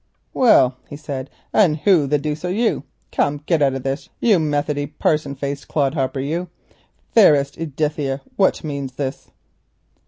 "Well," he said, "and who the deuce are you? Come get out of this, you Methody parson faced clodhopper, you. Fairest Edithia, what means this?"